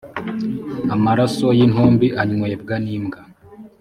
amaraso y ‘intumbi anywebwa nimbwa.